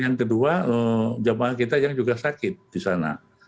yang kedua jemaah kita yang juga sakit di sana